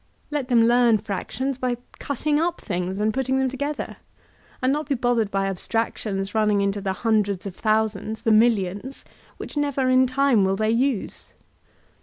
Let them learn fractions by cutting up things and putting them together, and not be bothered by abstractions running into the hundreds of thousands, the millions, which never in time will they use.